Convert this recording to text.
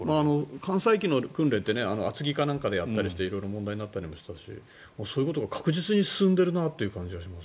艦載機の訓練って厚木か何かでやったりして色々問題になったりしたしそういうことが確実に進んでるなって感じがします。